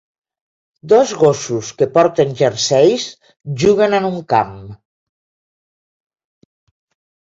Dos gossos que porten jerseis juguen en un camp.